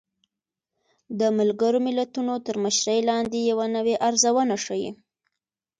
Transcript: د ملګرو ملتونو تر مشرۍ لاندې يوه نوې ارزونه ښيي